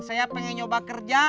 saya pengen nyoba kerja